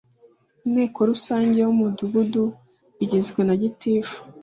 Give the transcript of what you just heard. inteko rusange y umudugudu igizwe na gitifu